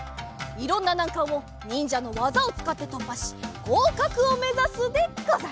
いろんななんかんをにんじゃのわざをつかってとっぱしごうかくをめざすでござる。